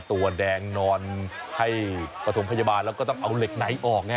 ตัวแดงนอนให้ปฐมพยาบาลแล้วก็ต้องเอาเหล็กไหนออกไง